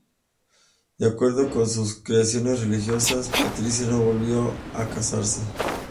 De acuerdo con sus creencias religiosas, Patricia no volvió a casarse.